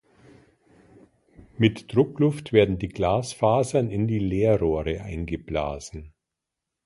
Mit Druckluft werden die Glasfasern in die Leerrohre eingeblasen.